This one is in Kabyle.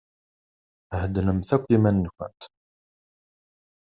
Heddnemt akk iman-nkent!